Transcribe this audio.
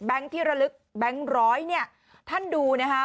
ที่ระลึกแบงค์ร้อยเนี่ยท่านดูนะคะ